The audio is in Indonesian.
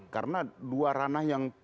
karena dua ranah yang